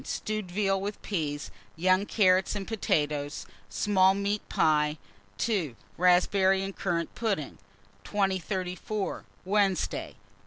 Stewed veal, with peas, young carrots, and potatoes. Small meat pie. 2. Raspberry and currant pudding. 2034. Wednesday. 1.